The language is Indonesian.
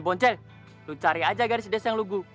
bonce lu cari aja garis desa yang lugu